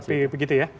melengkapi begitu ya